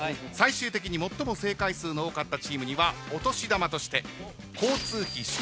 最終的に最も正解数の多かったチームにはお年玉として。